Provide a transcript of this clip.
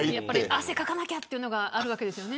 汗をかかなきゃというのがあるんですよね。